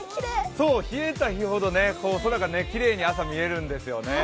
冷えた日ほど空がきれいに朝、見えるんですよね。